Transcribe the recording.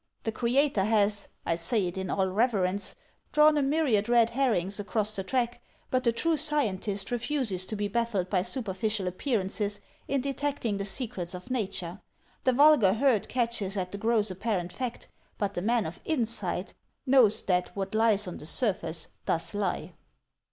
The Creator has — I say it in all reverence — drawn a myriad red herrings across the track, but the true scientist refuses to be baffled by superficial appearances in detecting the secrets of Nature. The vulgar herd catches at the gross apparent fact, but the man of insight knows that what lies on the surface does lie."